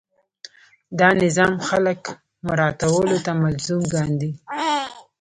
دا نظام خلک مراعاتولو ته ملزم کاندي.